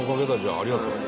ありがとう。